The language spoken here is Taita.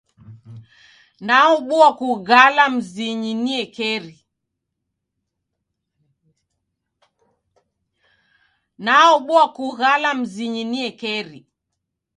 Naobua kughala mzinyi niekeri.